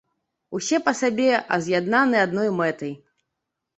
Усе па сабе, а з'яднаны адной мэтай.